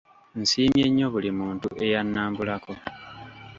Nsiimye nnyo buli muntu eyannambulako.